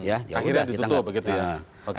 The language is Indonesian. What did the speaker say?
akhirnya ditutup begitu ya